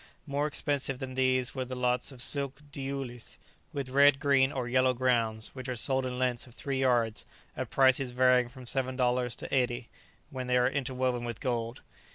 More expensive than these were lots of silk diulis, with red, green, or yellow grounds, which are sold in lengths of three yards, at prices varying from seven dollars to eighty, when they are interwoven with gold.